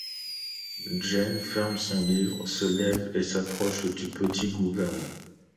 Jean ferme son livre, se lève et s’approche du petit gourmand.